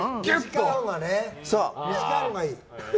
時間は短いほうがいい。